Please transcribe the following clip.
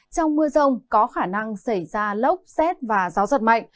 trong mưa rông có khả năng xảy ra lốc xét và gió giật mạnh